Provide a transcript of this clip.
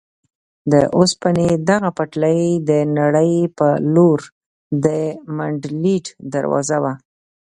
د اوسپنې دغه پټلۍ د نړۍ په لور د منډلینډ دروازه وه.